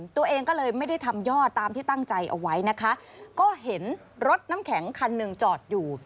ตัวเองก็เลยไม่ได้ทำย่อตามที่ตั้งใจเอาไว้นะคะก็เห็นรถน้ำแข็งคันหนึ่งจอดอยู่